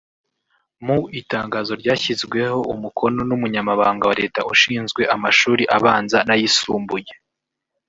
Mu itangazo ryashyizweho umukono n’Umunyamabanga wa Leta ushinzwe amashuri abanza n’ayisumbuye